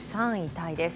タイです。